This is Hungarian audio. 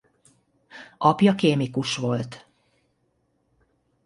Apja kémikus volt.